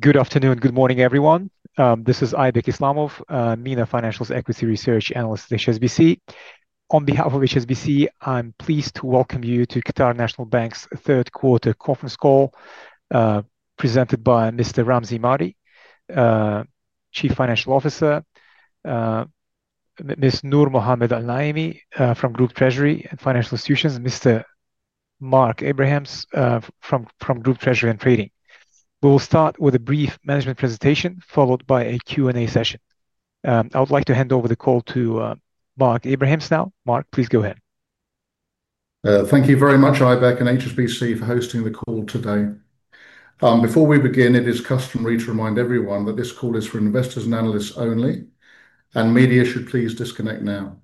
Good afternoon. Good morning everyone. This is Aybek Islamov, Financials Equity Research Analyst at HSBC. On behalf of HSBC, I'm pleased to welcome you to Qatar National Bank's third quarter conference call presented by Mr. Ramzi Mari, Chief Financial Officer, Ms. Noor Mohammed Al-Naimi from Group Treasury and Financial Institutions, and Mr. Mark Abrahams from Group Treasury and Trading. We will start with a brief management presentation followed by a Q and A session. I would like to hand over the call to Mark Abrahams now. Mark, please go ahead. Thank you very much, Aybek Islamov and HSBC, for hosting the call today. Before we begin, it is customary to remind everyone that this call is for investors and analysts only, and media should please disconnect now.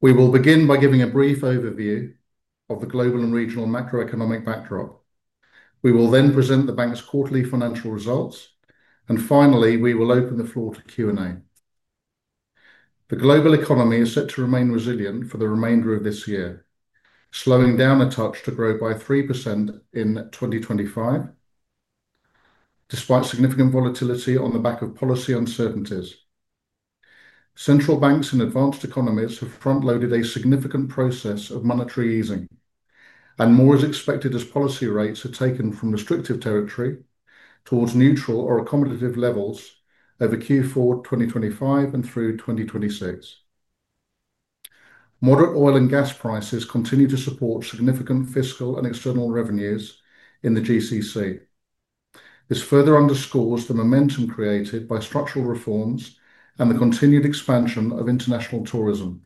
We will begin by giving a brief overview of the global and regional macroeconomic backdrop. We will then present the bank's quarterly financial results, and finally, we will open the floor to Q&A. The global economy is set to remain resilient for the remainder of this year, slowing down a touch to grow by 3% in 2025 despite significant volatility on the back of policy uncertainties. Central banks in advanced economies have front-loaded a significant process of monetary easing, and more is expected as policy rates are taken from restrictive territory towards neutral or accommodative levels over Q4 2025 and through 2026. Moderate oil and gas prices continue to support significant fiscal and external revenues in the GCC. This further underscores the momentum created by structural reforms and the continued expansion of international tourism.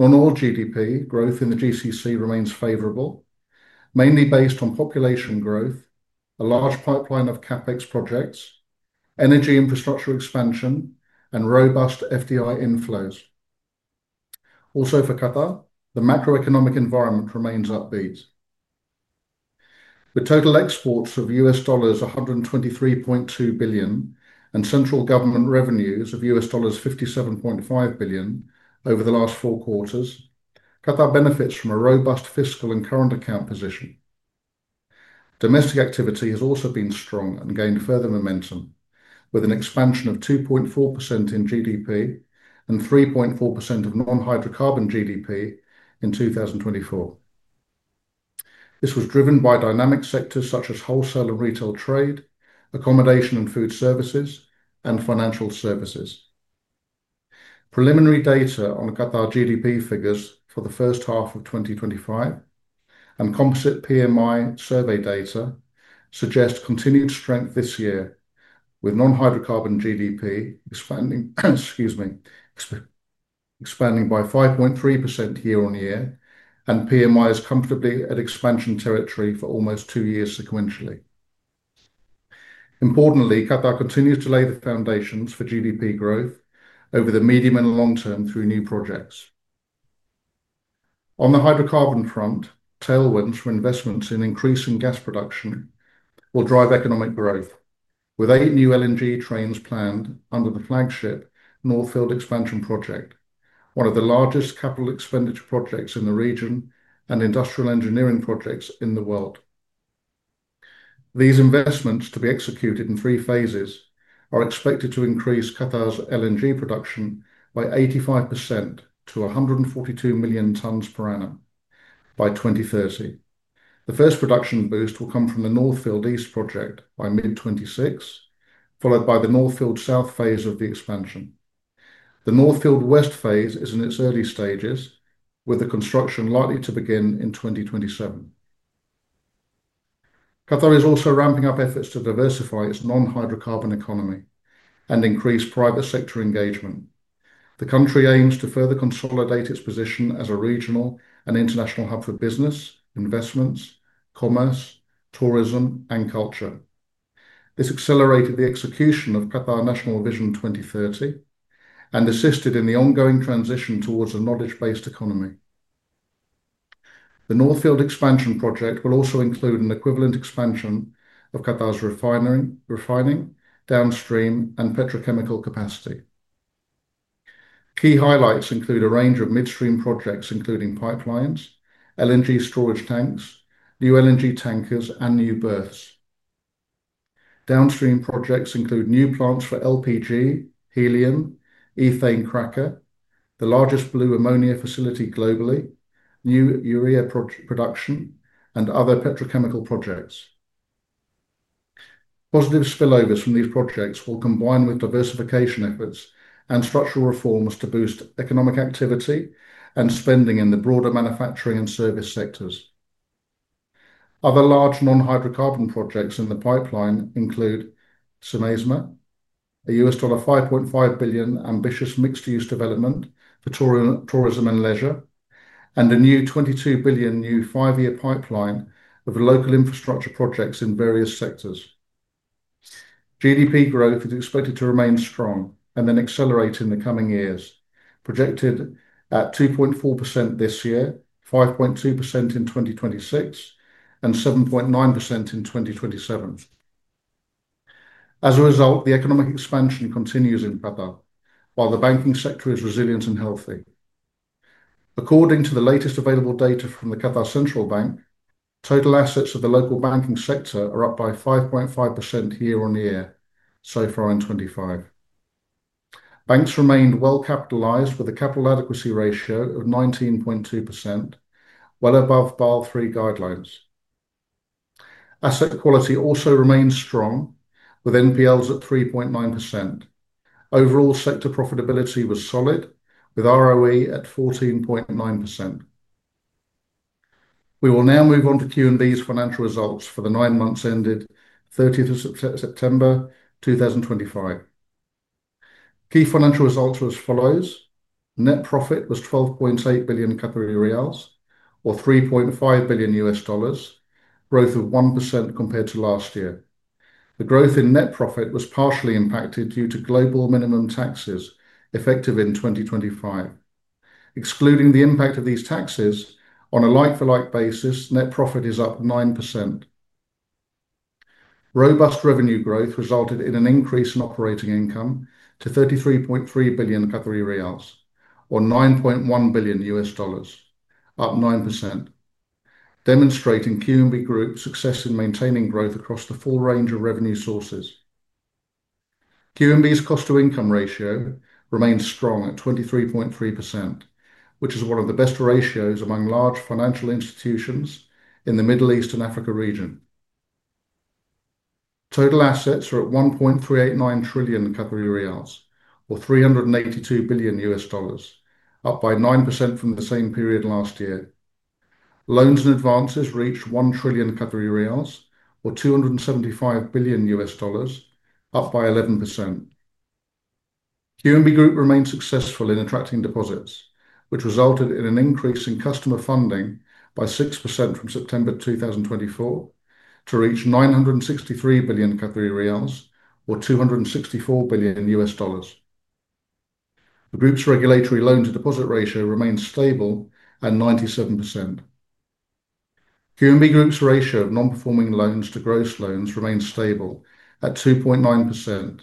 Overall, GDP growth in the GCC remains favorable, mainly based on population growth, a large pipeline of CapEx projects, energy infrastructure expansion, and robust FDI inflows. Also, for Qatar, the macro-economic environment remains upbeat with total exports of $123.2 billion and central government revenues of $57.5 billion over the last four quarters. Qatar benefits from a robust fiscal and current account position. Domestic activity has also been strong and gained further momentum with an expansion of 2.4% in GDP and 3.4% of non-hydrocarbon GDP in 2024. This was driven by dynamic sectors such as wholesale and retail trade, accommodation and food services, and financial services. Preliminary data on Qatar GDP figures for the first half of 2025 and composite PMI survey data suggest continued strength this year, with non-hydrocarbon GDP expanding by 5.3% year on year, and PMI is comfortably at expansion territory for almost two years. Sequentially, importantly, Qatar continues to lay the foundations for GDP growth over the medium and long term through new projects on the hydrocarbon front. Tailwinds for investments in increasing gas production will drive economic growth with eight new LNG trains planned under the flagship North Field Expansion project, one of the largest capital expenditure projects in the region and industrial engineering projects in the world. These investments, to be executed in three phases, are expected to increase Qatar's LNG production by 85% to 142 million tons per annum by 2030. The first production boost will come from the North Field East project by mid-2026, followed by the North Field South phase of the expansion. The North Field West phase is in its early stages with the construction likely to begin in 2027. Qatar is also ramping up efforts to diversify its non-hydrocarbon economy and increase private sector engagement. The country aims to further consolidate its position as a regional and international hub for business, investments and commerce, tourism, and culture. This accelerated the execution of Qatar National Vision 2030 and assisted in the ongoing transition towards a knowledge-based economy. The North Field Expansion project will also include an equivalent expansion of Qatar's refining, downstream, and petrochemical capacity. Key highlights include a range of midstream projects including pipelines, LNG storage tanks, new LNG tankers, and new berths. Downstream projects include new plants for LPG, helium, ethane cracker, the largest blue ammonia facility globally, new urea production, and other petrochemical projects. Positive spillovers from these projects will combine with diversification efforts and structural reforms to boost economic activity and spending in the broader manufacturing and service sectors. Other large non-hydrocarbon projects in the pipeline include Simaisma, a $5.5 billion ambitious mixed-use development for tourism and leisure, and a new $22 billion new five-year pipeline of local infrastructure projects in various sectors. GDP growth is expected to remain strong and then accelerate in the coming years, projected at 2.4% this year, 5.2% in 2026, and 7.9% in 2027. As a result, the economic expansion continues in Qatar while the banking sector is resilient and healthy. According to the latest available data from the Qatar Central Bank, total assets of the local banking sector are up by 5.5% year on year so far in 2025. Banks remained well capitalized with a capital adequacy ratio of 19.2%, well above Basel III guidelines. Asset quality also remained strong with NPLs at 3.9%. Overall sector profitability was solid with ROE at 14.9%. We will now move on to QNB's financial results for the nine months ended 30th of September 2025. Key financial results are as follows. Net profit was 12.8 billion, or $3.5 billion, growth of 1% compared to last year. The growth in net profit was partially impacted due to global minimum taxes effective in 2025. Excluding the impact of these taxes on a like-for-like basis, net profit is up 9%. Robust revenue growth resulted in an increase in operating income to 33.3 billion Qatari riyals, or $9.1 billion, up 9%, demonstrating QNB Group success in maintaining growth across the full range of revenue sources. QNB's cost to income ratio remains strong at 23.3%, which is one of the best ratios among large financial institutions in the Middle East and Africa region. Total assets are at 1.389 trillion Qatari riyals or $382 billion, up by 9% from the same period last year. Loans and advances reach 1 trillion Qatari riyals or $275 billion, up by 11%. QNB Group remains successful in attracting deposits, which resulted in an increase in customer funding by 6% from September 2024 to reach 963 billion Qatari riyals or $264 billion. The group's regulatory loan to deposit ratio remains stable at 97%. QNB Group's ratio of non-performing loans to gross loans remains stable at 2.9%,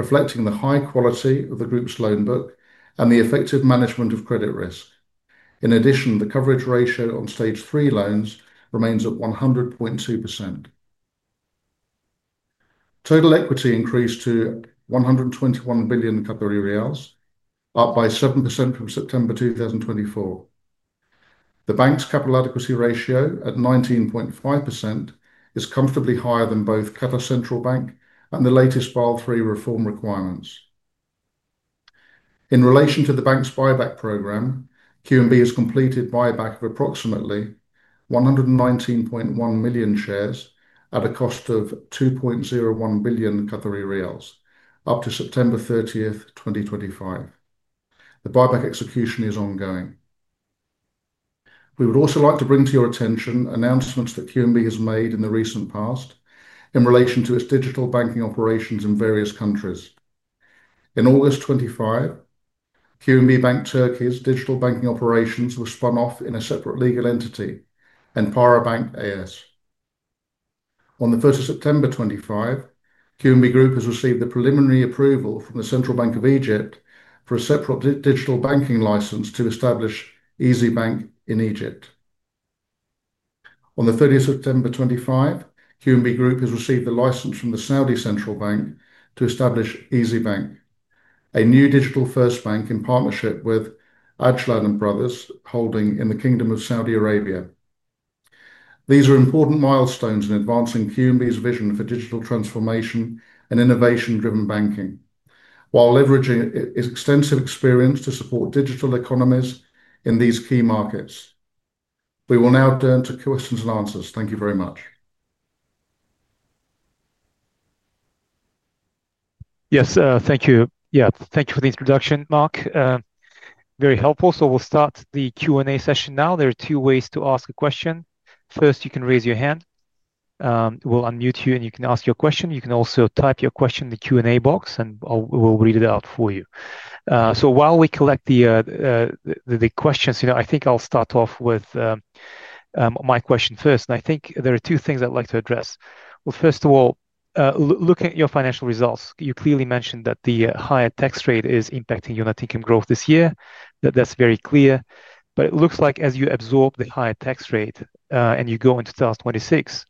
reflecting the high quality of the group's loan book and the effective management of credit risk. In addition, the coverage ratio on stage three loans remains at 100.2%. Total equity increased to 121 billion riyals, up by 7% from September 2024. The bank's capital adequacy ratio at 19.5% is comfortably higher than both Qatar Central Bank and the latest Basel III reform requirements in relation to the bank's buyback program. QNB has completed buyback of approximately 119.1 million shares at a cost of 2.01 billion Qatari riyals up to September 30th, 2025. The buyback execution is ongoing. We would also like to bring to your attention announcements that QNB has made in the recent past in relation to its digital banking operations in various countries. In August 2025, QNB Bank Turkey's digital banking operations were spun off in a separate legal entity, Enpara Bank. As of September 1st, 2025, QNB Group has received the preliminary approval from the Central Bank of Egypt, a separate digital banking license to establish ezbank in Egypt. On September 30, 2025, QNB Group has received a license from the Saudi Central Bank to establish ezbank, a new digital-first bank in partnership with Ajlan & Bros Holding in the Kingdom of Saudi Arabia. These are important milestones in advancing QNB's vision for digital transformation and innovation-driven banking while leveraging his extensive experience to support digital economies in these key markets. We will now turn to questions and answers. Thank you very much. Yes, thank you. Thank you for the introduction, Mark. Very helpful. We'll start the Q and A session now. There are two ways to ask a question. First, you can raise your hand, we'll unmute you, and you can ask your question. You can also type your question in the Q and A box and we'll read it out for you. While we collect the questions, I think I'll start off with my question first and I think there are two things I'd like to address. First of all, looking at your financial results, you clearly mentioned that the higher tax rate is impacting your net income growth this year. That's very clear. It looks like as you absorb the higher tax rate and you go into 2026,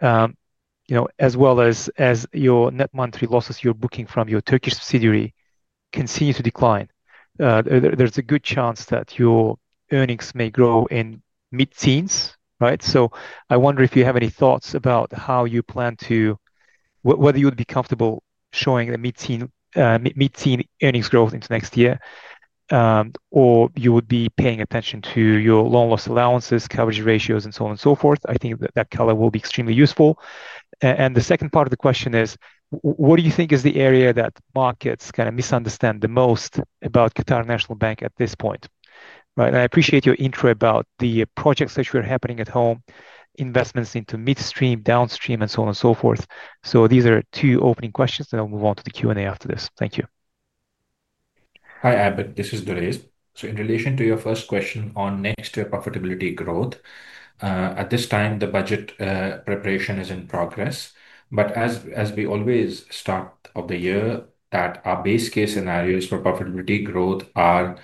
as well as your net monetary losses you're booking from your Turkish subsidiary continue to decline, there's a good chance that your earnings may grow in mid teens. Right. I wonder if you have any thoughts about how you plan to, whether you would be comfortable showing the mid teen earnings growth into next year or you would be paying attention to your loan loss allowances, coverage ratios, and so on and so forth. I think that that color will be extremely useful. The second part of the question is what do you think is the area that markets kind of misunderstand the most about Qatar National Bank at this point. I appreciate your intro about the projects that are happening at home, investments into midstream, downstream, and so on and so forth. These are two opening questions. I'll move on to the Q and A after this. Thank you. Hi Aybek. This is Durraiz. In relation to your first question on next year, profitability growth at this time, the budget preparation is in progress, but as we always start off the year, our base case scenarios for profitability growth are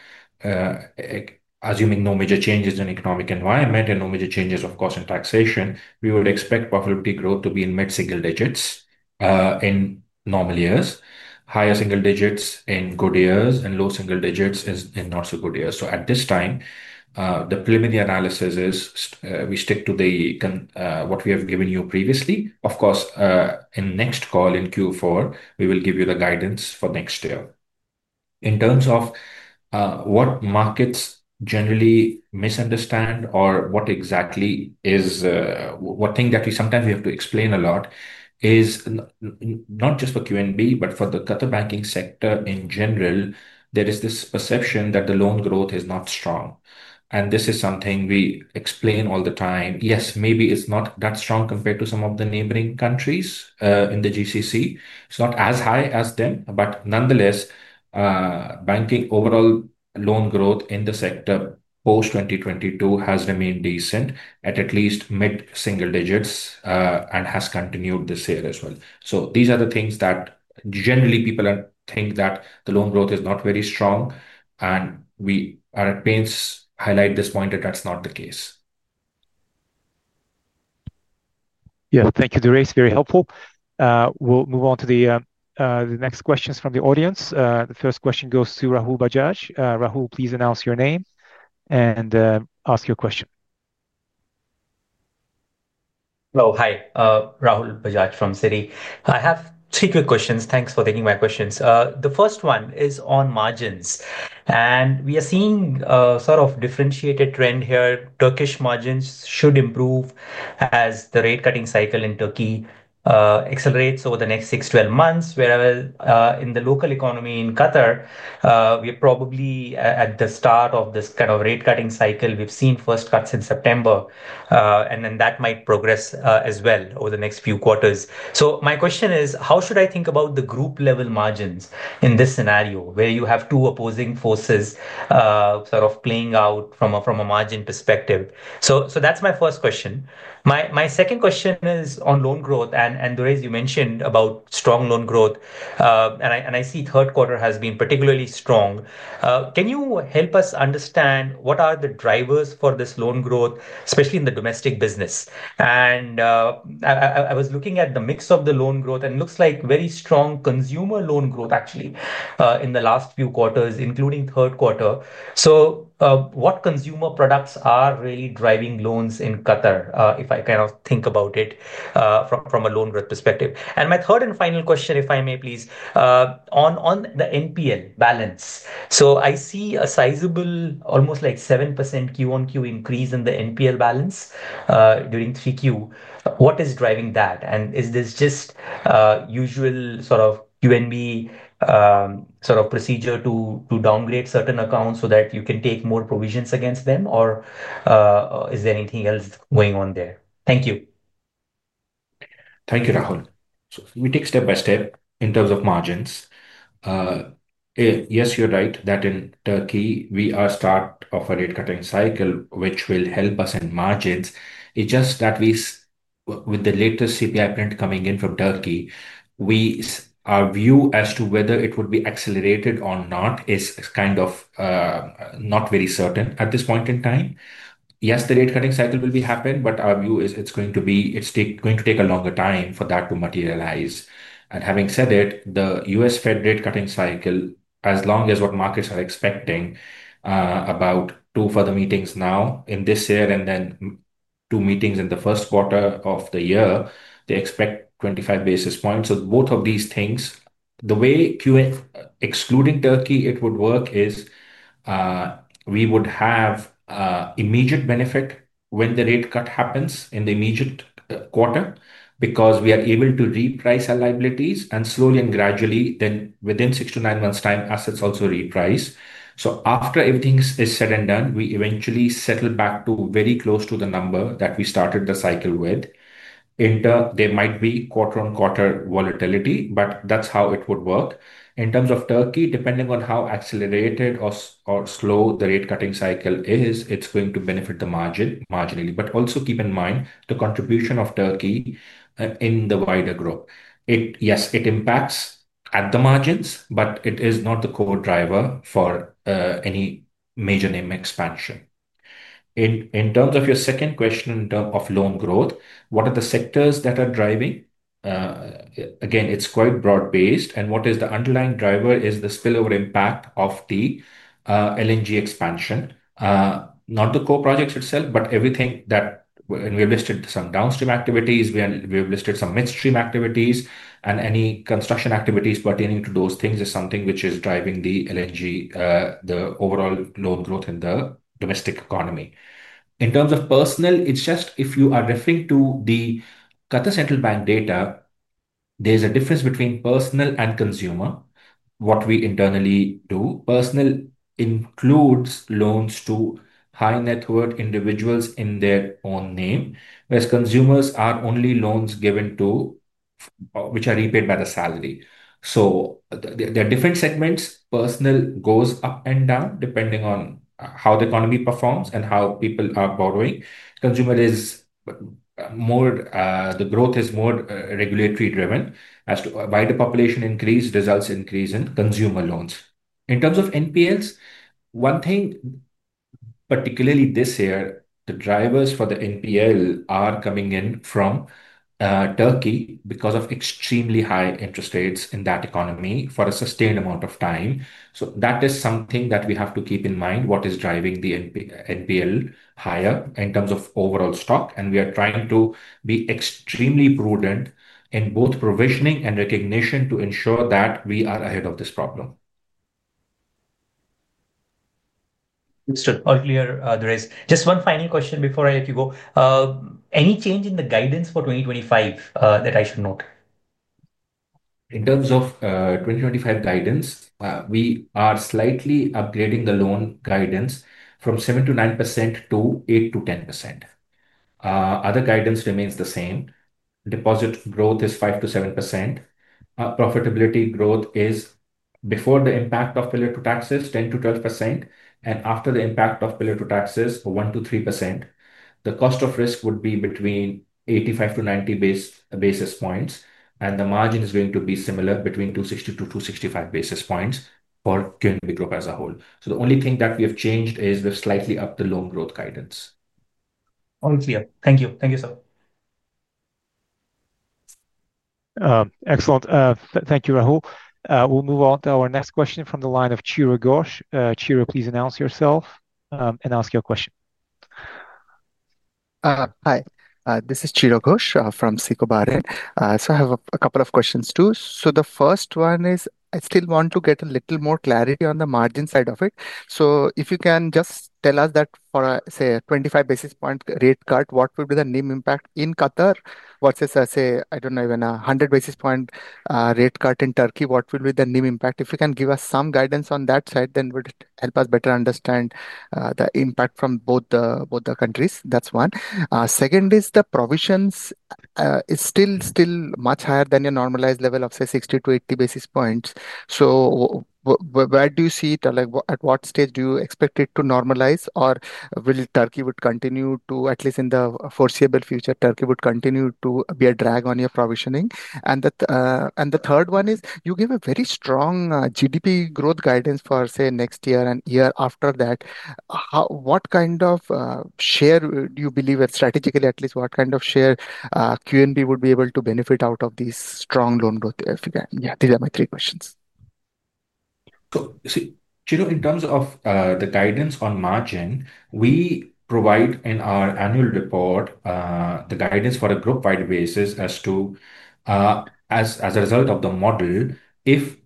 assuming no major changes in the economic environment and no major changes, of course, in taxation. We would expect profitability growth to be in mid single digits in normal years, higher single digits in good years, and low single digits in not so good years. At this time, the preliminary analysis is we stick to what we have given you previously. Of course, in the next call in Q4, we will give you the guidance for next year. In terms of what markets generally misunderstand or what exactly is one thing that we sometimes have to explain a lot, it is not just for QNB but for the Qatar banking sector in general. There is this perception that the loan growth is not strong, and this is something we explain all the time. Yes, maybe it's not that strong compared to some of the neighboring countries in the GCC; it's not as high as them. Nonetheless, banking overall loan growth in the sector post 2022 has remained decent at at least mid single digits and has continued this year as well. These are the things that generally people think, that the loan growth is not very strong, and we are at pains to highlight this point that that's not the case. Thank you, that is very helpful. We'll move on to the next questions from the audience. The first question goes to Rahul Bajaj. Rahul, please announce your name and ask your question. Hi, Rahul Bajaj from Citi. I have three questions. Thanks for taking my questions. The first one is on margins and we are seeing sort of differentiated trend here. Turkish margins should improve as the rate cutting cycle in Turkey accelerates over the next 6 to 12 months, whereas in the local economy in Qatar we are probably at the start of this kind of rate cutting cycle. We've seen first cuts in September and that might progress as well over the next few quarters. My question is how should I think about the group level margins in this scenario where you have two opposing forces playing out from a margin perspective? That's my first question. My second question is on loan growth. You mentioned strong loan growth and I see third quarter has been particularly strong. Can you help us understand what are the drivers for this loan growth, especially in the domestic business? I was looking at the mix of the loan growth and it looks like very strong consumer loan growth actually in the last few quarters, including third quarter. What consumer products are really driving loans in Qatar if I think about it from a loan growth perspective? My third and final question, if I may please, is on the NPL balance. I see a sizable, almost like 7% quarter-on-quarter increase in the NPL balance during Q3. What is driving that? Is this just usual sort of QNB procedure to downgrade certain accounts so that you can take more provisions against them, or is there anything else going on there? Thank you. Thank you, Rahul. We take step by step in terms of margins. Yes, you're right that in Turkey we are at the start of a rate cutting cycle which will help us in margins. It's just that with the latest CPI print coming in from Turkey, our view as to whether it would be accelerated or not is kind of not very certain at this point in time. Yes, the rate cutting cycle will happen, but our view is it's going to take a longer time for that to materialize. Having said that, the U.S. Fed rate cutting cycle, as long as what markets are expecting about two further meetings now in this year and then two meetings in the first quarter of the year, they expect 25 basis points of both of these things. The way, excluding Turkey, it would work is we would have immediate benefit when the rate cut happens in the immediate quarter because we are able to reprice our liabilities, and slowly and gradually then within six to nine months' time, assets also reprice. After everything is said and done, we eventually settle back to very close to the number that we started the cycle with. There might be quarter on quarter volatility, but that's how it would work. In terms of Turkey, depending on how accelerated or slow the rate cutting cycle is, it's going to benefit the margin marginally. Also keep in mind the contribution of Turkey in the wider group. Yes, it impacts at the margins, but it is not the core driver for any major NIM expansion. In terms of your second question of loan growth, what are the sectors that are driving? Again, it's quite broad based, and what is the underlying driver is the spillover impact of the LNG expansion, not the core projects itself, but everything that. We listed some downstream activities, we have listed some midstream activities, and any construction activities pertaining to those things is something which is driving the LNG, the overall loan growth in the domestic economy. In terms of personal, if you are referring to the Qatar Central Bank data, there's a difference between personal and consumer. What we internally do, personal includes loans to high net worth individuals in their own name, whereas consumers are only loans given to which are repaid by the salary. There are different segments. Personal goes up and down depending on how the economy performs and how people are borrowing. Consumer is more, the growth is more regulatory driven as to why the population increase results in increase in consumer loans. In terms of NPLs, one thing particularly this year, the drivers for the NPL are coming in from Turkey because of extremely high interest rates in that economy for a sustained amount of time. That is something that we have to keep in mind, what is driving the NPL higher in terms of overall stock. We are trying to be extremely prudent in both provisioning and recognition to ensure that we are ahead of this problem. There is just one final question before. I let you go. Any change in the guidance for 2025 that I should note? In terms of 2025 guidance, we are slightly upgrading the loan guidance from 7%-9% to 8%-10%. Other guidance remains the same. Deposit growth is 5%-7%. Profitability growth is before the impact of payroll taxes 10%-12%, and after the impact of payroll taxes 1%-3%. The cost of risk would be between 85-90 basis points. The margin is going to be similar, between 260-265 basis points for QNB Group as a whole. The only thing that we have changed is we've slightly upped the loan growth guidance. All clear. Thank you. Thank you, sir. Excellent. Thank you, Rahul. We'll move on to our next question from the line of Chiro Ghosh. Chiro, please announce yourself and ask your question. Hi, this is Chiro Ghosh from SICO. I have a couple of questions too. The first one is I still want to get a little more clarity on the margin side of it. If you can just tell us that for, say, a 25 basis point rate cut, what will be the NIM impact in Qatar versus, say, I don't know, even a 100 basis point rate cut in Turkey, what will be the NIM impact? If you can give us some guidance on that side, it would help us better understand the impact from both the countries. That's one. Second is the provisions are still much higher than your normalized level of, say, 60-80 basis points. Where do you see it? At what stage do you expect it to normalize, or will Turkey continue to, at least in the foreseeable future, be a drag on your provisioning? The third one is you give a very strong GDP growth guidance for, say, next year and the year after that. What kind of share do you believe strategically, at least, what kind of share QNB would be able to benefit out of these strong loan growth? These are my three questions. In terms of the guidance on margin we provide in our annual report, the guidance for a group wide basis is as follows. As a result of the model, if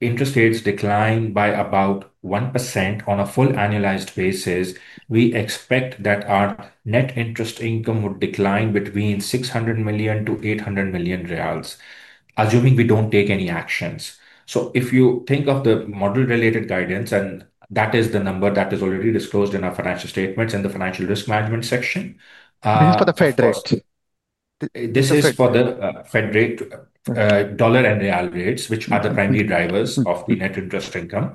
interest rates decline by about 1% on a full annualized basis, we expect that our net interest income would decline between 600 million-800 million riyals assuming we don't take any actions. If you think of the model related guidance, that is the number that is already disclosed in our financial statements in the financial risk management section. This is for the Fed rate, dollar and real rates, which are the primary drivers of the net interest income.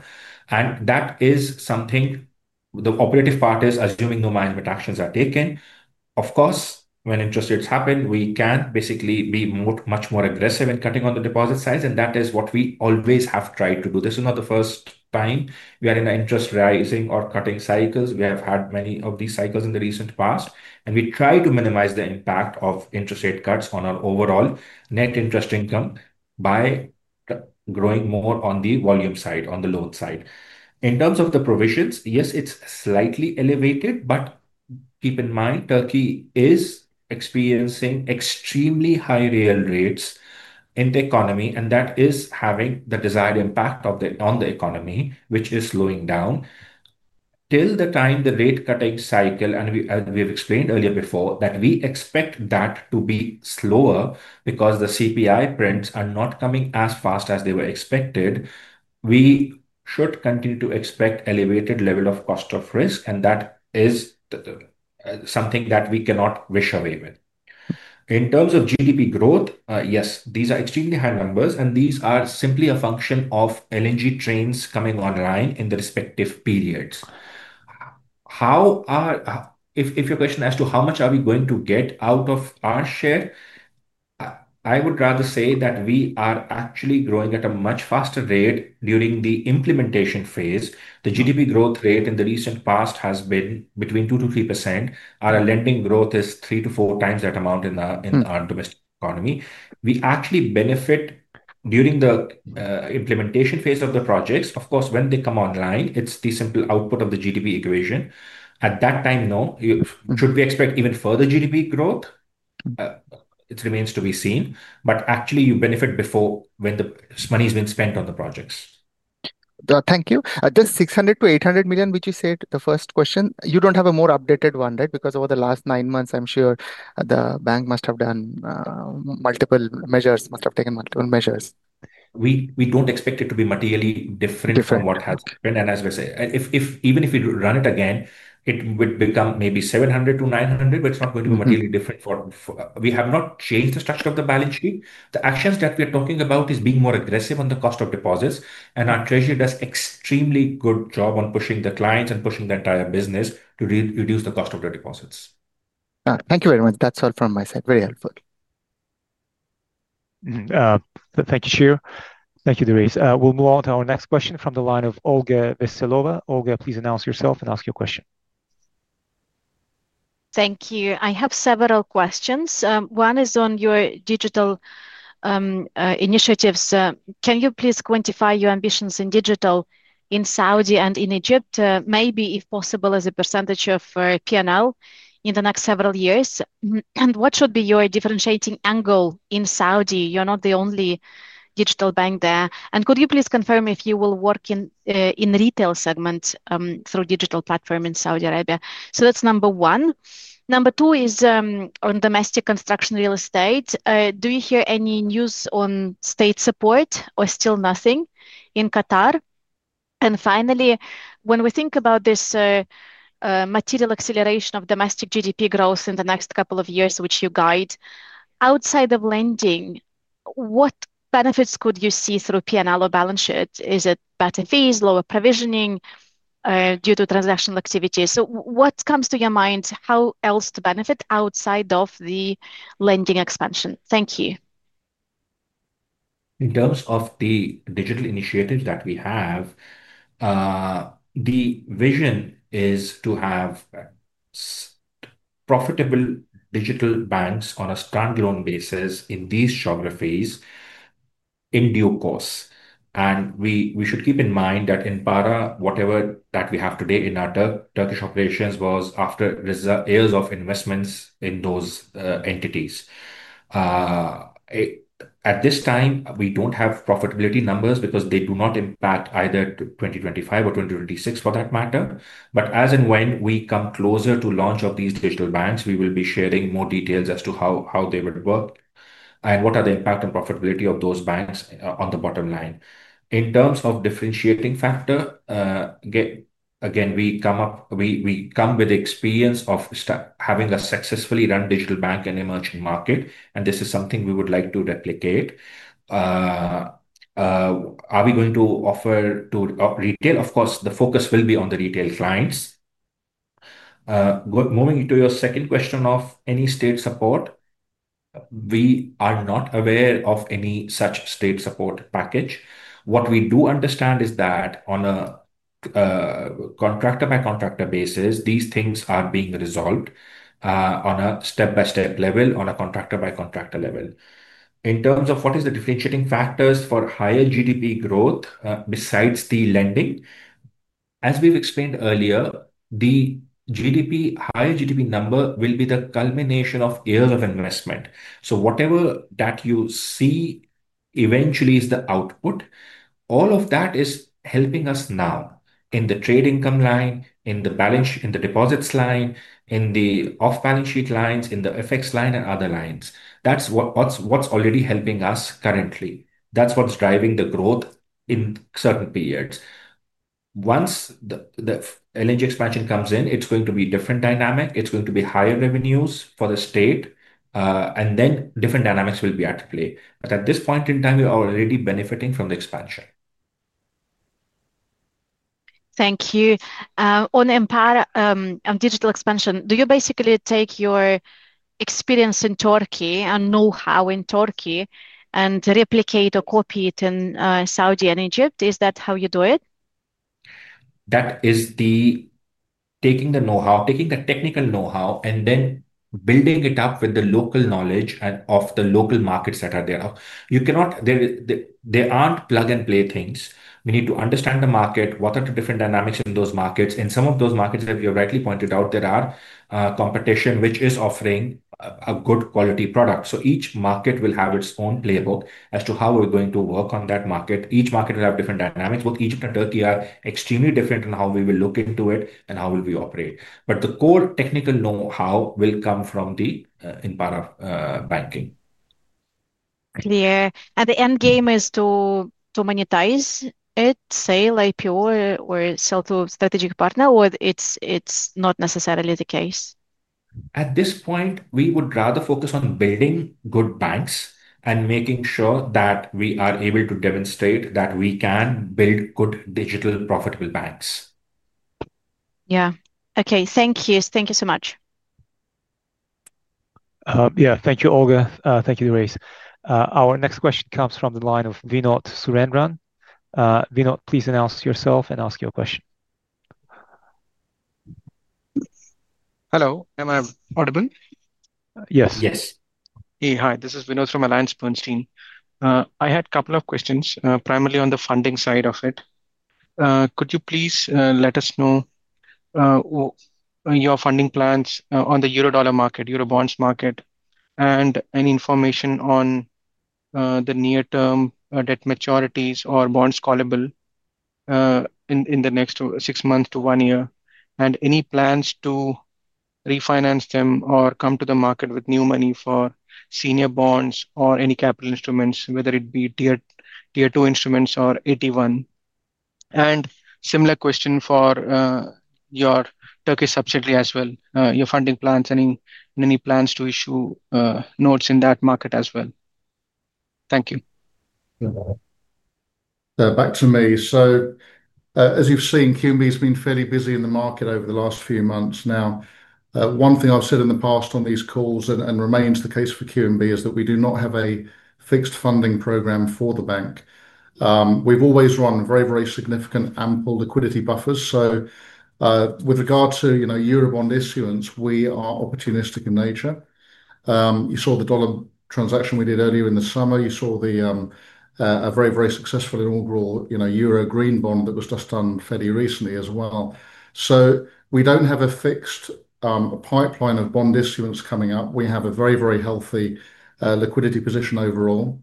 The operative part is assuming no management actions are taken. Of course, when interest rates happen, we can basically be much more aggressive in cutting on the deposit size, and that is what we always have tried to do. This is not the first time we are in an interest rising or cutting cycle. We have had many of these cycles in the recent past and we try to minimize the impact of interest rate cuts on our overall net interest income by growing more on the volume side, on the loan side. In terms of the provisions, yes, it's slightly elevated. Keep in mind Turkey is experiencing extremely high real rates in the economy and that is having the desired impact on the economy, which is slowing down till the time the rate cutting cycle, and we've explained earlier before that we expect that to be slower because the CPI prints are not coming as fast as they were expected. We should continue to expect elevated level of cost of risk and that is something that we cannot wish away. In terms of GDP growth, yes, these are extremely high numbers and these are simply a function of LNG trains coming online in the respective periods. If. If your question is how much are we going to get out of our share, I would rather say that we are actually growing at a much faster rate during the implementation phase. The GDP growth rate in the recent past has been between 2%-3%. Our lending growth is 3x-4x that amount in our domestic economy. We actually benefit during the implementation phase of the projects. Of course, when they come online, it's the simple output of the GDP equation at that time, no? Should we expect even further GDP growth? It remains to be seen. Actually, you benefit before when the money has been spent on the projects. Thank you. This $600 million-$800 million which you said, the first question, you don't have a more updated one, right? Because over the last nine months I'm sure the bank must have done multiple measures, must have taken multiple measures. We don't expect it to be materially different from what has happened. As I say, even if we run it again, it would become maybe $700 million-$900 million, but it's not going to be materially different, for we have not changed the structure of the balance sheet. The actions that we're talking about are being more aggressive on the cost of deposits, and our Treasury does an extremely good job on pushing the clients and pushing the entire business to reduce the cost of their deposits. Thank you very much. That's all from my side. Very helpful. Thank you, Chiro. Thank you, Durraiz. We'll move on to our next question from the line of Olga Veselova. Olga, please announce yourself and ask your question. Thank you. I have several questions. One is on your digital initiatives. Can you please quantify your ambitions in digital in Saudi and in Egypt, maybe if possible as a percentage of P&L in the next several years? What should be your differentiating angle in Saudi? You're not the only digital bank there. Could you please confirm if you will work in retail segments through digital platform in Saudi Arabia? That's number one. Number two is on domestic construction real estate. Do you hear any news on state support or still nothing in Qatar? Finally, when we think about this material acceleration of domestic GDP growth in the next couple of years, which you guide outside of lending, what benefits could you see through P&L balance sheet? Is it better fees, lower provisioning due to transactional activities? What comes to your mind, how else to benefit outside of the lending expansion? Thank you. In terms of the digital initiatives that we have, the vision is to have profitable digital banks on a standalone basis in these geographies in due course. We should keep in mind that Enpara, whatever that we have today in our Turkish operations, was after years of investments in those entities. At this time, we don't have profitability numbers because they do not impact either 2025 or 2026 for that matter. As and when we come closer to launch of these digital banks, we will be sharing more details as to how they would work and what are the impact and profitability of those banks on the bottom line. In terms of differentiating factor, again, we come with experience of having a successfully run digital bank in an emerging market, and this is something we would like to replicate. Are we going to offer to retail? Of course, the focus will be on the retail clients. Moving to your second question of any state support, we are not aware of any such state support package. What we do understand is that on a contractor by contractor basis, these things are being resolved on a step by step level, on a contractor by contractor level. In terms of what is the differentiating factors for higher GDP growth besides the lending, as we've explained earlier, the GDP, higher GDP number will be the culmination of years of investment. Whatever that you see eventually is the output, all of that is helping us now in the trade income line, in the balance, in the deposits line, in the off balance sheet lines, in the FX line, and other lines. That's what's already helping us currently. That's what's driving the growth in certain periods. Once the LNG expansion comes in, it's going to be a different dynamic, it's going to be higher revenues for the state, and then different dynamics will be at play. At this point in time, we are already benefiting from the expansion. Thank you. On Enpara digital expansion, do you basically take your experience in Turkey and know-how in Turkey and replicate or copy it in Saudi Arabia and Egypt? Is that how you do it? That is taking the know-how, taking the technical know-how and then building it up with the local knowledge. Of the local markets that are there, you cannot, they aren't plug and play things. We need to understand the market. What are the different dynamics in those markets? In some of those markets that you rightly pointed out, there are competition which is offering a good quality product. Each market will have its own playbook as to how we're going to work on that market. Each market will have different dynamics. Both Egypt and Turkey are extremely different in how we will look into it and how we will operate. The core technical know-how will come from the, in part of banking. Yeah. The end game is to monetize it, say like your, or sell to a strategic partner. It's not necessarily the case at this point. We would rather focus on building good banks and making sure that we are able to demonstrate that we can build good digital profitable banks. Okay. Thank you. Thank you so much. Thank you, Olga. Thank you, Durraiz. Our next question comes from the line of Vinod Surendran. Vinod, please announce yourself and ask your question. Hello, am I audible? Yes, yes. Hi, this is Vinod from AllianceBernstein. I had a couple of questions. Primarily on the funding side of it, could you please let us know your funding plans on the Eurodollar market. Eurobond market and any information on. The near term debt maturities or bonds callable in the next six months to one year and any plans to refinance them or come to the market. With new money for senior bonds or. Any capital instruments, whether it be Tier 2 capital instruments or AT1 capital instruments and similar. Question for your Turkish subsidiary as well. Your funding plans and any plans to. Issue notes in that market as well. Thank you. Back to me. As you've seen, QNB has been fairly busy in the market over the last few months. One thing I've said in the past on these calls and remains the case for QNB is that we do not have a fixed funding program for the bank. We've always run very, very significant, ample liquidity buffers. With regard to Eurobond issuance, we are opportunistic in nature. You saw the dollar transaction we did earlier in the summer. You saw a very, very successful inaugural euro green bond that was just done fairly recently as well. We don't have a fixed pipeline of bond issuance coming up. We have a very, very healthy liquidity position overall.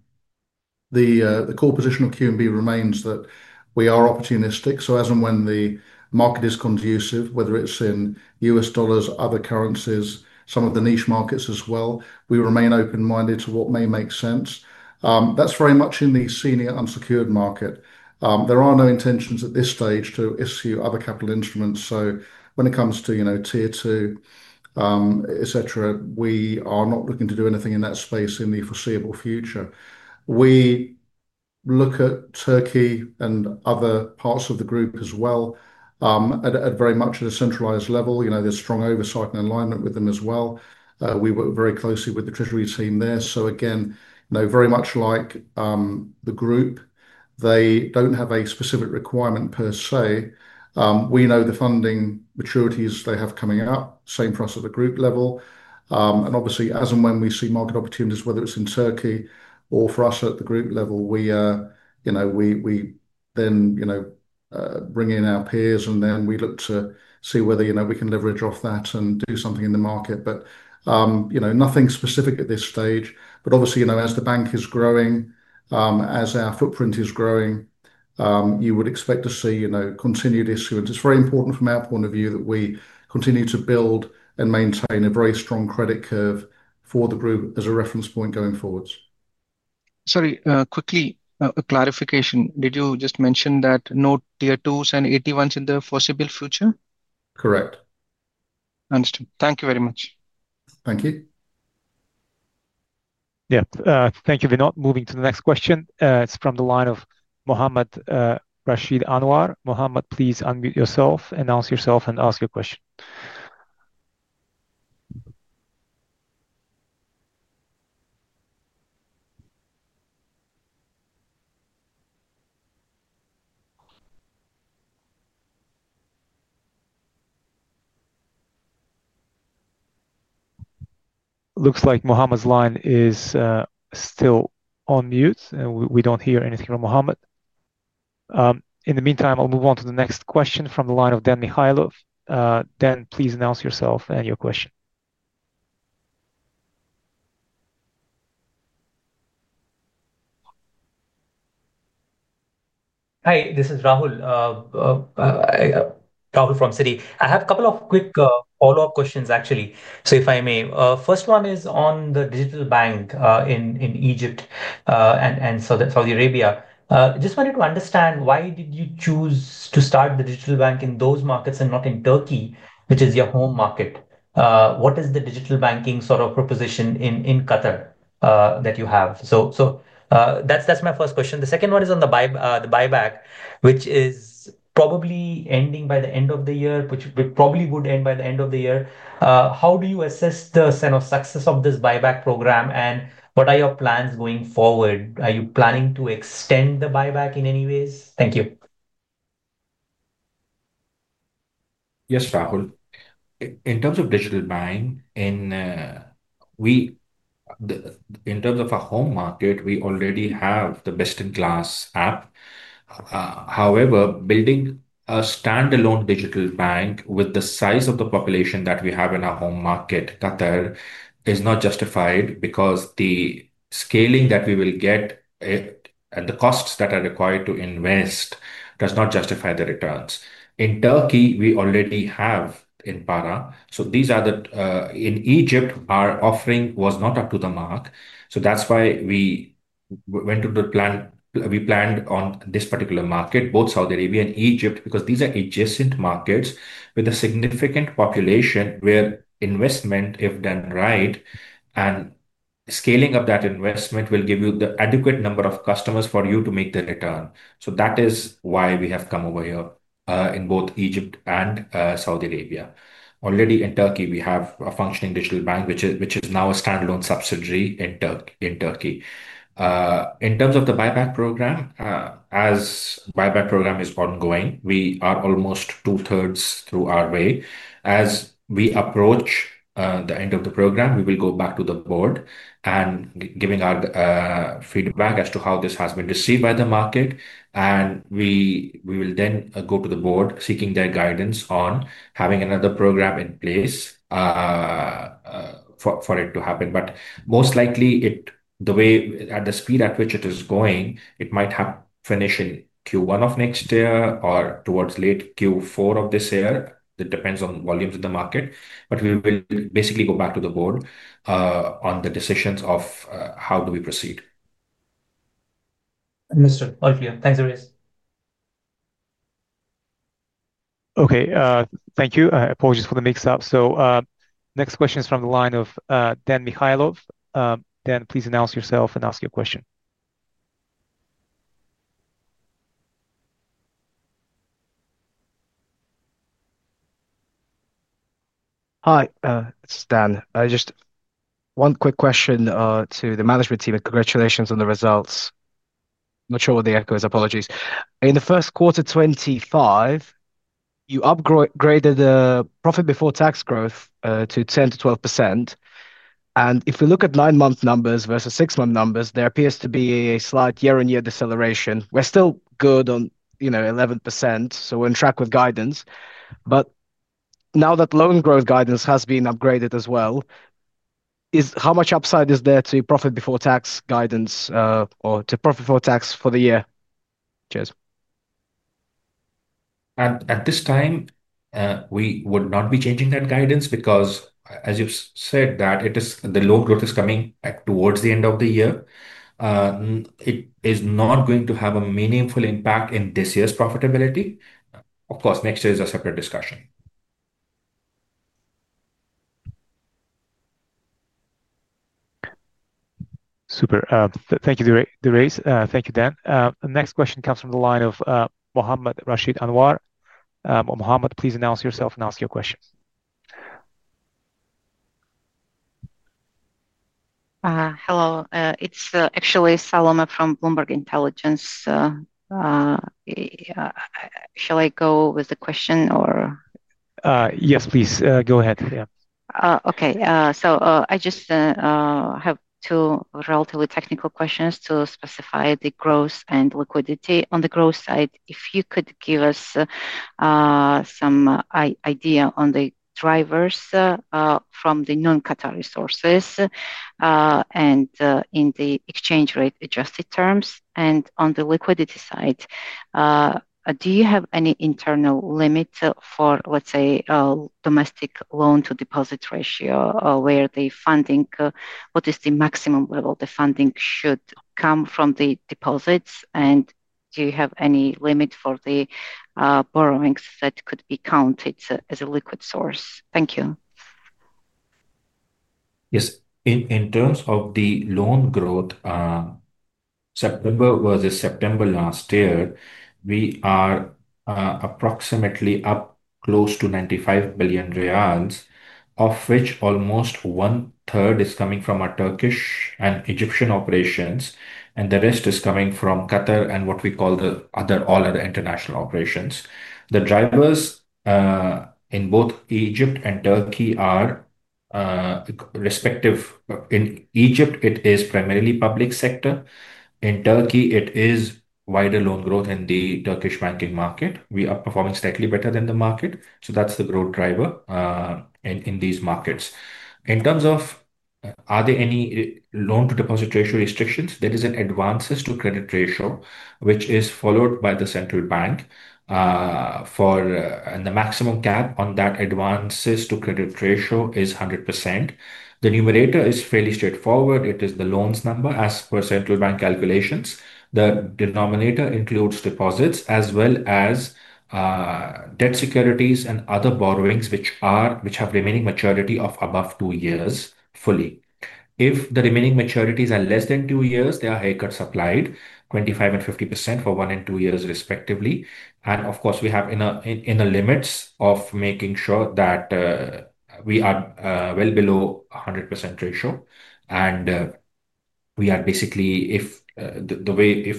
The core position of QNB remains that we are opportunistic. As and when the market is conducive, whether it's in U.S. Dollars, other currencies, some of the niche markets as well, we remain open minded to what may make sense. That's very much in the senior unsecured market. There are no intentions at this stage to issue other capital instruments. When it comes to, you know, Tier 2, etc., we are not looking to do anything in that space in the foreseeable future. We look at Turkey and other parts of the group as well at a very much centralized level. There's strong oversight and alignment with them as well. We work very closely with the treasury team there. Very much like the group, they don't have a specific requirement per se. We know the funding maturities they have coming out. Same process at the group level. Obviously, as and when we see market opportunities, whether it's in Turkey or for us at the group level, we then bring in our peers and then we look to see whether we can leverage off that and do something in the market. Nothing specific at this stage. Obviously, as the bank is growing, as our footprint is growing, you would expect to see continued issuance. It's very important from our point of view that we continue to build and maintain a very strong credit curve for the group as a reference point going forwards. Sorry, quickly, a clarification. Did you just mention that no Tier 2 capital instruments? 2s and AT1s in the foreseeable future? Correct. Understood. Thank you very much. Thank you. Yeah, thank you, Vinod. Moving to the next question. It's from the line of Mohammed Rashid Anwar. Please unmute yourself, announce yourself, and ask your question. Looks like Mohammed's line is still on mute and we don't hear anything from Mohammed. In the meantime, I'll move on to the next question from the line of Dan Mikhailov. Please announce yourself and your question. Hi, this is Rahul. Rahul from Citi. I have a couple of quick follow-ups. Questions actually, if I may. First one is on the digital bank in Egypt and Saudi Arabia. Just wanted to understand why did you choose to start the digital bank in those markets and not in Turkey, which is your home market. What is the digital banking sort of proposition in Qatar that you have? That's my first question. The second one is on the buyback, which is probably ending by the end of the year. How do you assess the sense of success of this buyback program and what are your plans going forward? Are you planning to extend the buyback in any ways? Thank you. Yes Rahul, in terms of digital banking in our home market, we already have the best-in-class app. However, building a standalone digital bank with the size of the population that we have in our home market, Qatar, is not justified because the scaling that we will get and the costs that are required to invest do not justify the returns. In Turkey, we already have Enpara. In Egypt, our offering was not up to the mark. That's why we planned on this particular market, both Saudi Arabia and Egypt, because these are adjacent markets with a significant population where investment, if done right, and scaling up that investment will give you the adequate number of customers for you to make the return. That is why we have come over here in both Egypt and Saudi Arabia already. In Turkey, we have a functioning digital bank, which is now a standalone subsidiary in Turkey. In terms of the buyback program, the buyback program is ongoing. We are almost two-thirds through our way. As we approach the end of the program, we will go back to the board and give our feedback as to how this has been received by the market, and we will then go to the board seeking their guidance on having another program in place for it to happen. Most likely, at the speed at which it is going, it might finish in Q1 of next year or towards late Q4 of this year. That depends on volumes in the market. We will basically go back to the board on the decisions of how do we proceed. All clear. Thanks. Okay, thank you. Apologies for the mix up. Next question is from the line of Dan Mikhailov. Dan, please announce yourself and ask your question. Hi, it's Dan. Just one quick question to the management team and congratulations on the results. Not sure what the echo is. Apologies. In the first quarter 2025, you upgraded the profit before tax growth to 10%-12%. If we look at nine month numbers versus six month numbers, there appears to be a slight year on year deceleration. We're still good on, you know, 11%. We're on track with guidance. Now that loan growth guidance has been upgraded as well, how much upside is there to profit before tax guidance or to profit before tax for the year? Cheers. At this time, we would not be changing that guidance because, as you've said, the loan growth is coming back towards the end of the year. It is not going to have a meaningful impact in this year's profitability. Of course, next year is a separate discussion. Super. Thank you, Durraiz. Thank you, Dan. The next question comes from the line of Mohammed Rashid Anwar. Mohammed, please announce yourself and ask your question. Hello, it's actually Salome from Bloomberg Intelligence. Shall I go with the question? Yes, please go ahead. Yeah. Okay, so I just have two relatively technical questions to specify the growth and liquidity. On the growth side, if you could give us some idea on the drivers from the non-Qatar resources and in the exchange rate adjusted terms, and on the liquidity side, do you have any internal limit for, let's say, domestic loan to deposit ratio where the funding, what is the maximum level? The funding should come from the deposits. Do you have any limit for the borrowings that could be counted as a liquid source? Thank you. Yes. In terms of the loan growth September versus September last year, we are approximately up close to 95 billion riyals, of which almost one third is coming from our Turkish and Egyptian operations and the rest is coming from Qatar and what we call all other international operations. The drivers in both Egypt and Turkey are respective. In Egypt, it is primarily public sector. In Turkey, it is wider loan growth. In the Turkish banking market, we are performing slightly better than the market. That's the growth driver in these markets. In terms of are there any loan to deposit ratio restrictions? There is an advances to credit ratio which is followed by the central bank, and the maximum cap on that advances to credit ratio is 100%. The numerator is fairly straightforward. It is the loans number as per central bank calculations. The denominator includes deposits as well as debt securities and other borrowings which have remaining maturity of above two years fully. If the remaining maturities are less than two years, there are haircuts applied, 25% and 50% for one and two years respectively. Of course, we have in the limits of making sure that we are well below 100% ratio, and basically if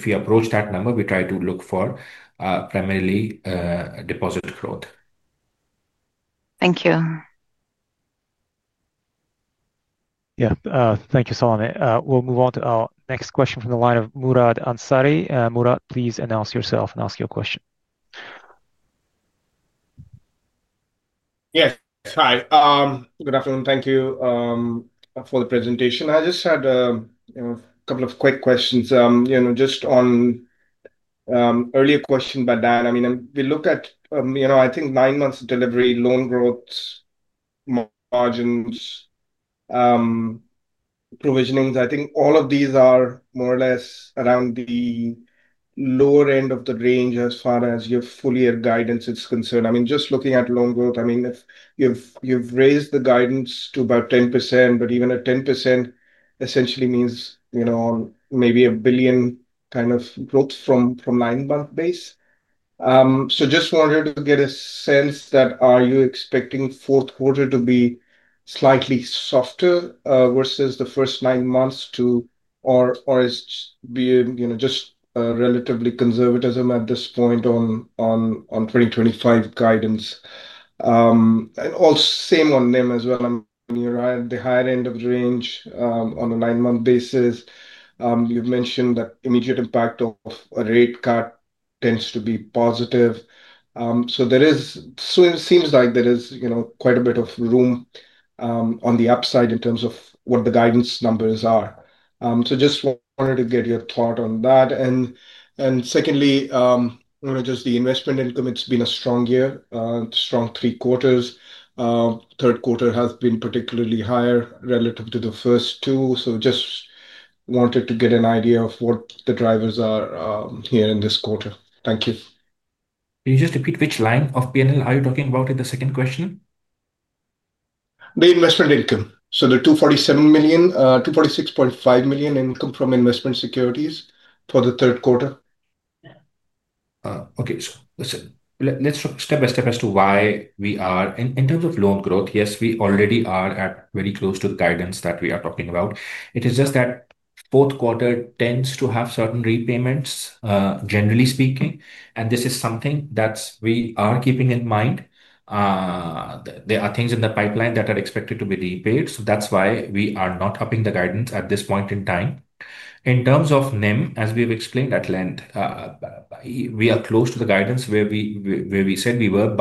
we approach that number, we try to look for primarily deposit growth. Thank you. Thank you, Salome. We'll move on to our next question from the line of Murad Ansari. Murad, please announce yourself and ask your question. Yes. Hi, good afternoon. Thank you for the presentation. I just had a couple of quick questions. Just on the earlier question by Dan. I mean we look at, I think, nine months delivery, loan growth, margins, provisionings. I think all of these are more or less around the lower end of the range as far as your full year guidance is concerned. I mean just looking at loan growth, I mean if you've raised the guidance to about 10% but even a 10% essentially means maybe a billion kind of growth from the nine month base. Just wanted to get a sense that are you expecting fourth quarter to be slightly softer versus the first nine months too, or is it just relatively conservatism at this point on 2025 guidance? Also, same on NIM as well. You're at the higher end of the range on a nine month basis. You've mentioned that immediate impact of a rate cut tends to be positive. There seems like there is quite a bit of room on the upside in terms of what the guidance numbers are. Just wanted to get your thought on that. Secondly, just the investment income, it's been a strong year, strong three quarters. Third quarter has been particularly higher relative to the first two. Just wanted to get an idea of what the drivers are here in this quarter. Thank you. Can you just repeat which line of P&L are you talking about in the second question? The investment income. The $246.5 million income from investment securities for the third quarter. Okay, so listen, let's step by step as to why we are in terms of loan growth. Yes, we already are at very close to the guidance that we are talking about. It is just that fourth quarter tends to have certain repayments, generally speaking. This is something that we are keeping in mind. There are things in the pipeline that are expected to be repaid. That's why we are not upping the guidance at this point in time. In terms of NIM, as we have explained at length, we are close to the guidance where we said we were.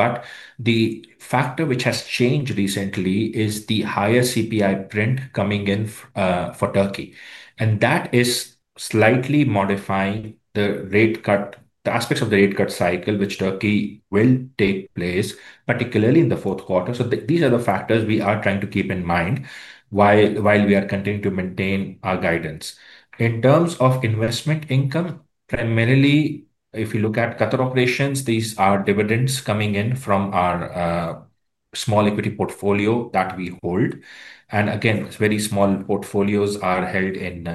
The factor which has changed recently is the higher CPI print coming in for Turkey, and that is slightly modifying the rate cut, the aspects of the rate cut cycle which Turkey will take place particularly in the fourth quarter. These are the factors we are trying to keep in mind while we are continuing to maintain our guidance. In terms of investment income, primarily, if you look at Qatar operations, these are dividends coming in from our small equity portfolio that we hold. Again, very small portfolios are held in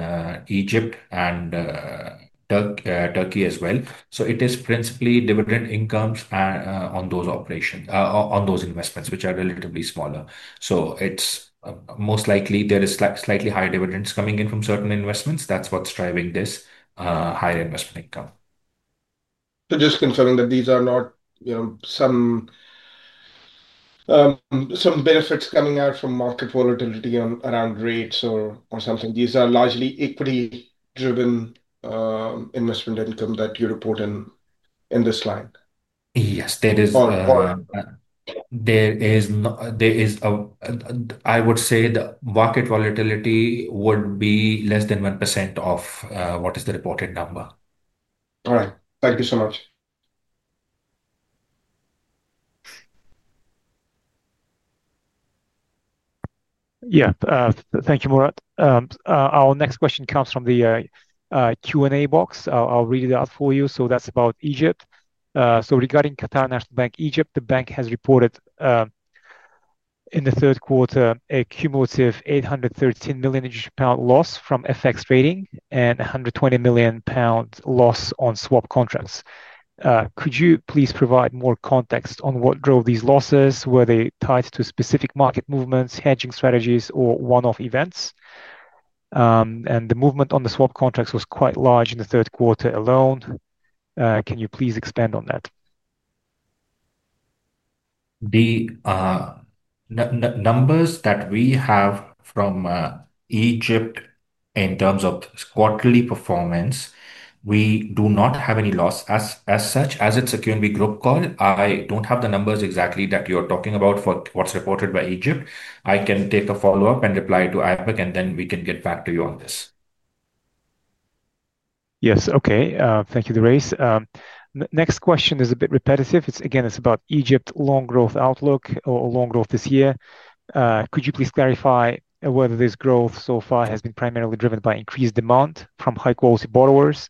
Egypt and Turkey as well. It is principally dividend incomes on those operations, on those investments, which are relatively smaller. It's most likely there is slightly higher dividends coming in from certain investments. That's what's driving this higher investment income. Just confirming that these are not some benefits coming out from market volatility around rates or something. These are largely equity-driven investment income that you report in this line. Yes, I would say the market volatility would be less than 1% of what is the reported number. All right, thank you so much. Thank you, Murad. Our next question comes from the Q&A box. I'll read it out for you. It's about Egypt. Regarding Qatar National Bank, Egypt, the bank has reported in the third quarter a cumulative 813 million Egyptian pound loss from FX trading and 120 million pound loss on swap contracts. Could you please provide more context on what drove these losses? Were they tied to specific market movements, hedging strategies, or one-off events? The movement on the swap contracts was quite large in the third quarter alone. Can you please expand on that? The numbers that we have from Egypt in terms of quarterly performance, we do not have any loss as such as it's a QNB Group call. I don't have the numbers exactly that you are talking about for what's reported by Egypt. I can take a follow up and reply to Aybek and then we can get back to you on this. Yes. Okay, thank you, Durraiz. Next question is a bit repetitive. It's again, it's about Egypt. Loan growth outlook or loan growth this year? Could you please clarify whether this growth so far has been primarily driven by increased demand from high quality borrowers,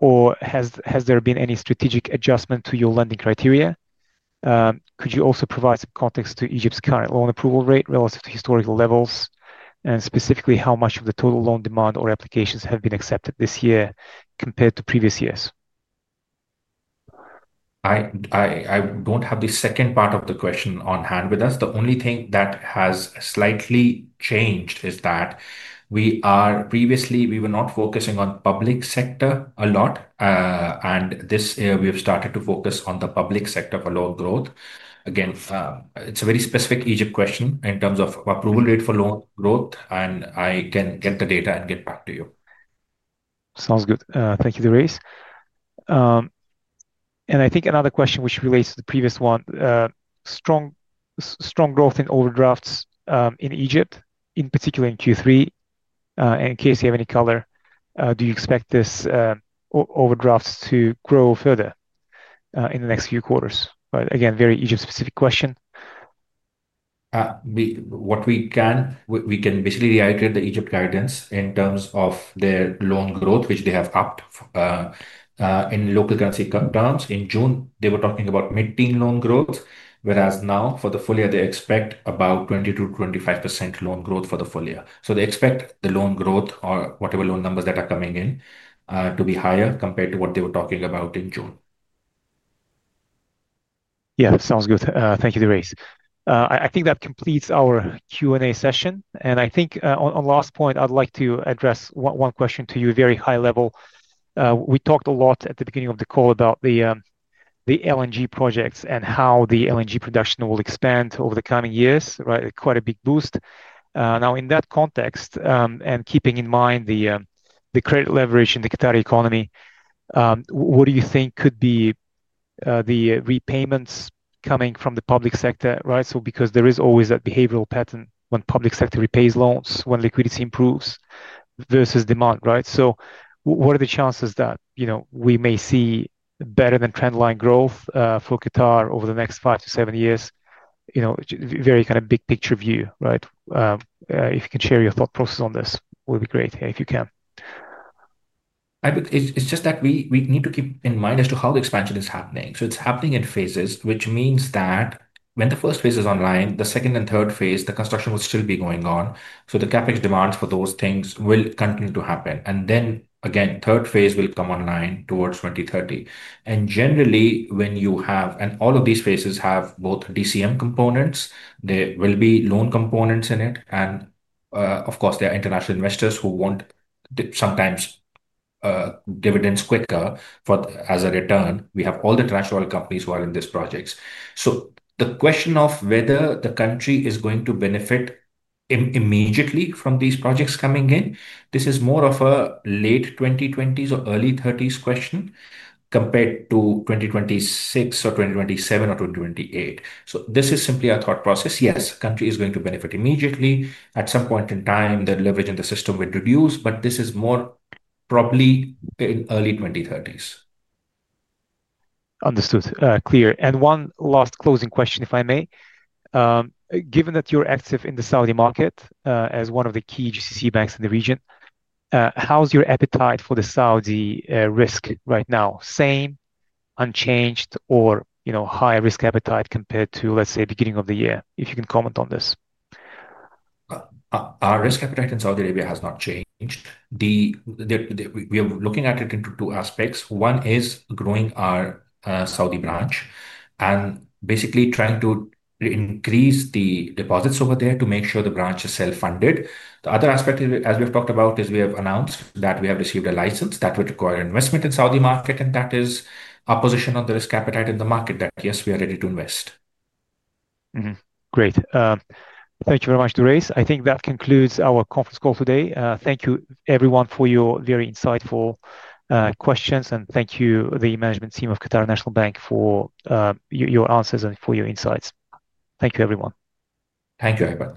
or has there been any strategic adjustment to your lending criteria? Could you also provide some context to Egypt's current loan approval rate relative to historical levels, and specifically how much of the total loan demand or applications have been accepted this year compared to previous years. I don't have the second part of the question on hand with us. The only thing that has slightly changed is that previously we were not focusing on public sector a lot, and this year we have started to focus on the public sector for loan growth. Again, it's a very specific Egypt question in terms of approval rate for loan growth, and I can get the data and get back to you. Sounds good. Thank you, Durraiz. I think another question which relates to the previous one: strong, strong growth in overdrafts in Egypt, in particular in Q3. In case you have any color, do you expect this overdraft to grow further in the next few quarters? Again, very Egypt-specific question. We can basically reiterate the Egypt guidance in terms of their loan growth, which they have upped in local currency terms. In June they were talking about mid-teen loan growth, whereas now for the full year they expect about 20%-25% loan growth for the full year. They expect the loan growth or whatever loan numbers that are coming in to be higher compared to what they were talking about in June. Yeah, sounds good. Thank you, Durraiz. I think that completes our Q and A session, and I think one last point, I'd like to address one question to you. Very high level, we talked a lot at the beginning of the call about the LNG projects and how the LNG production will expand over the coming years. Quite a big boost. Now, in that context and keeping in mind the credit leverage in the Qatar economy, what do you think could be the repayments coming from the public sector? There is always that behavioral pattern when public sector repays loans, when liquidity improves versus demand. What are the chances that we may see better than trend line growth for Qatar over the next five to seven years? You know, very kind of big picture view. If you can share your thought process on this, would be great if you can. We need to keep in mind as to how the expansion is happening. It's happening in phases, which means that when the first phase is online, the second and third phase, the construction will still be going on. The CapEx demands for those things will continue to happen. Then again, third phase will come online towards 2030. Generally, when you have all of these phases, they have both DCM components, they loan components in it, and of course there are international investors who want sometimes dividends quicker as a return. We have all the international companies who are in these projects. The question of whether the country is going to benefit immediately from these projects coming in is more of a late 2020s or early 2030s question compared to 2026 or 2027 or 2028. This is simply our thought process. Yes, country is going to benefit immediate point in time that leverage in the system would reduce. This is more probably in early 2030s. Understood. Clear. One last closing question if I may. Given that you're active in the Saudi market as one of the key GCC banks in the region, how's your appetite for the Saudi risk right now? Same unchanged or higher risk appetite compared to, let's say, beginning of the year? If you can comment on this. Our risk appetite in Saudi Arabia has not changed. We are looking at it in two aspects. One is growing our Saudi branch and basically trying to increase the deposits over there to make sure the branch is self-funded. The other aspect, as we have talked about, is we have announced that we have received a license that would require investment in the Saudi market, and that is our position on the risk appetite in the market, that yes, we are ready to invest. Great. Thank you very much, Durraiz. I think that concludes our conference call today. Thank you everyone for your very insightful questions and thank you the management team of Qatar National Bank for your answers and for your insights. Thank you everyone. Thank you. Aybek.